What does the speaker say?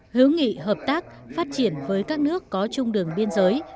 hữu nghị hợp tác phát triển với các nước có chung đường biên giới